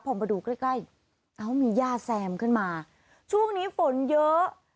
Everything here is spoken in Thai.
พอมาดูใกล้ใกล้เอ้ามีย่าแซมขึ้นมาช่วงนี้ฝนเยอะ